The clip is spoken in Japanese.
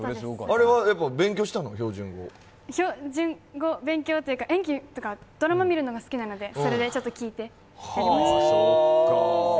標準語、勉強というか、演技とかドラマ見るのが好きなので、それでちょっと聞いてやりました。